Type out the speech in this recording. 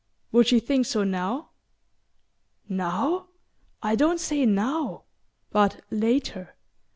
Would she think so now?" "Now...? I don't say now. But later?